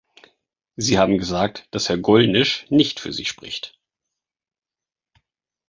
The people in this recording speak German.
Sie haben gesagt, dass Herr Gollnisch nicht für Sie spricht.